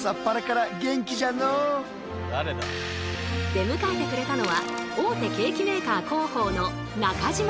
出迎えてくれたのは大手ケーキメーカー